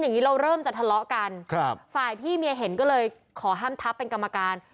อย่างนี้เราเริ่มจะทะเลาะกันครับฝ่ายพี่เมียเห็นก็เลยขอห้ามทับเป็นกรรมการ